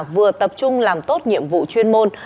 vừa tập trung làm tốt nhiệm vụ chuyên môn